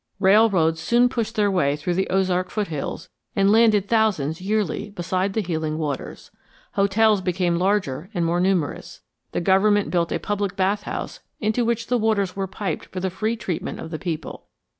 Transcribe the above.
Railroads soon pushed their way through the Ozark foothills and landed thousands yearly beside the healing waters. Hotels became larger and more numerous. The government built a public bathhouse into which the waters were piped for the free treatment of the people.